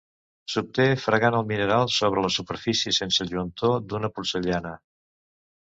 S'obté fregant el mineral sobre la superfície sense lluentor d'una porcellana.